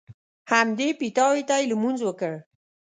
همدې پیتاوي ته یې لمونځ وکړ.